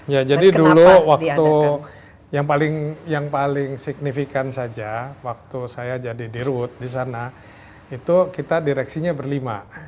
ya jadi dulu waktu yang paling signifikan saja waktu saya jadi dirut di sana itu kita direksinya berlima